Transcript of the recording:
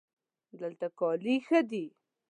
دلته کالي ښه دي